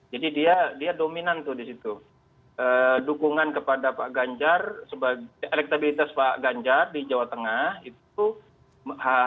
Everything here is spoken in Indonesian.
jadi dia dominan tuh di situ dukungan kepada pak ganjar elektabilitas pak ganjar di jawa tengah